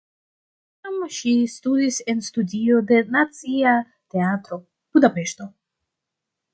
Iam ŝi studis en studio de Nacia Teatro (Budapeŝto).